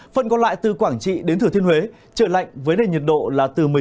phần còn lại từ quảng trị đến thừa thiên huế trở lạnh với nền nhiệt độ là